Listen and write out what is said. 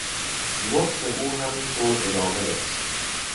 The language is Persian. نطق او همینطور ادامه داشت.